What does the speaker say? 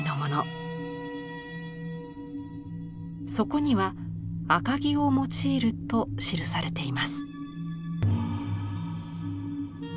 そこには「赤木」を用いると記されています。